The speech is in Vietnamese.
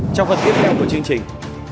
trong phần tiếp theo của chương trình